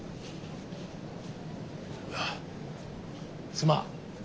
すまん。